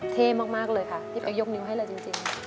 เท่มากเลยค่ะพี่เป๊กยกนิ้วให้เลยจริง